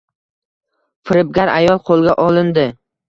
Firibgar ayol qo‘lga olinding